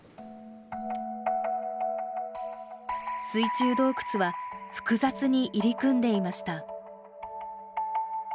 水中洞窟は複雑に入り組んでいました。